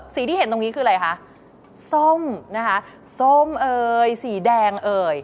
ที่เห็นตรงนี้คืออะไรคะส้มนะคะส้มเอ่ยสีแดงเอ่ย